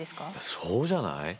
そうじゃない？